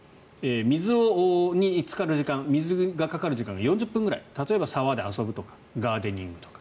水につかる時間水がかかる時間が４０分くらい例えば、沢で遊ぶとかガーデニングとか。